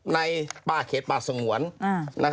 ในป่าเขตป่าสงวน